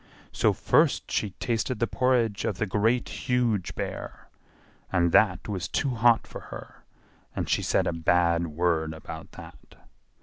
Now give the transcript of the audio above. So first she tasted the porridge of the Great Huge Bear, and that was too hot for her; and she said a bad word about that.